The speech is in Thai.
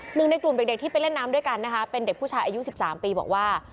หนึ่งในกลุ่มเด็กที่ไปเล่นน้ำด้วยกันนะคะเป็นเด็กผู้ชายอายุ๑๓ปีบอกว่า